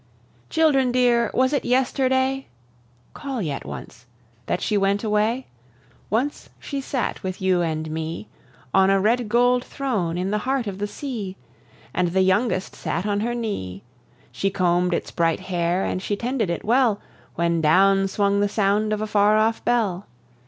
Children dear, was it yesterday (Call yet once) that she went away? Once she sate with you and me, On a red gold throne in the heart of the sea, And the youngest sate on her knee. She comb'd its bright hair, and she tended it well, When down swung the sound of a far off bell.